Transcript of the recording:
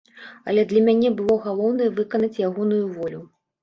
Але для мяне было галоўнае выканаць ягоную волю.